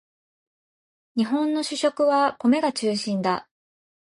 日本の主食は米が中心だ